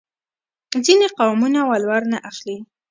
ځینې قومونه ولور نه اخلي.